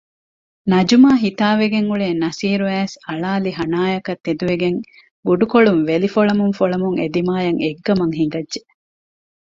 ނަޖުމާ ހިތާވެގެން އުޅޭ ނަސީރު އައިސް އަޅައިލި ހަނާއަކަށް ތެދުވެގެން ބުޑުކޮޅުން ވެލިފޮޅަމުންފޮޅަމުން އެދިމާޔަށް އެއްގަމަށް ހިނގައްޖެ